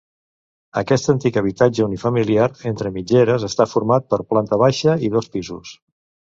Aquest antic habitatge unifamiliar entre mitgeres està format per planta baixa i dos pisos.